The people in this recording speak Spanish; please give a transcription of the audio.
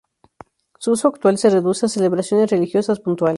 Su uso actual se reduce a celebraciones religiosas puntuales.